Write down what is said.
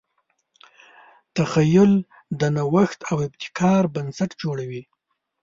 تخیل د نوښت او ابتکار بنسټ جوړوي.